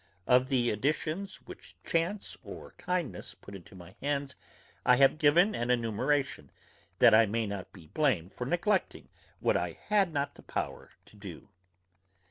Of the editions which chance or kindness put into my hands I have given an enumeration, that I may not be blamed for neglecting what I had not the power to do.